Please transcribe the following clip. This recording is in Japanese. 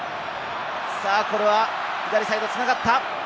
これは左サイド繋がった。